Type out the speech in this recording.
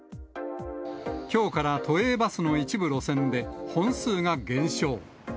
きょうから都営バスの一部路線で本数が減少。